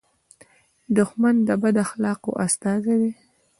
دښمن د بد اخلاقو استازی دی